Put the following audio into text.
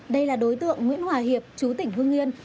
đây là đối tượng nguyễn hòa hiệp chú tỉnh hương yên